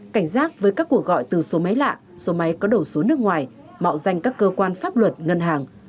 cảnh giác với các cuộc gọi từ số máy lạ số máy có đầu số nước ngoài mạo danh các cơ quan pháp luật ngân hàng